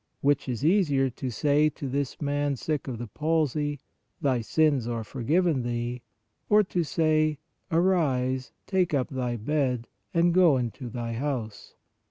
Which is easier to say to this man sick of the palsy: Thy sins are forgiven thee, or to say: Arise, take up thy bed and go into thy house?